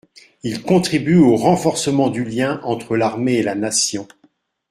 Il contribue au renforcement du lien entre l’armée et la Nation.